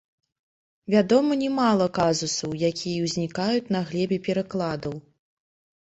Вядома нямала казусаў, якія ўзнікаюць на глебе перакладаў.